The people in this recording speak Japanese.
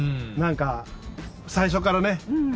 なんか最初からね。